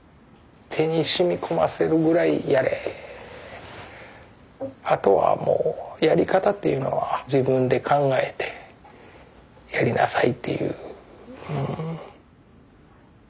手にしみこませるぐらいやれあとはもうやり方っていうのは自分で考えてやりなさいっていううん。